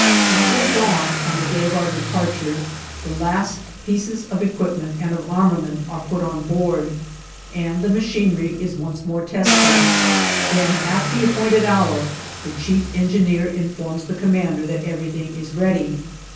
Before dawn, on the day of our departure, the last pieces of equipment and of armament are put on board, and the machinery is once more tested; then, at the appointed hour, the chief engineer informs the commander that everything is ready.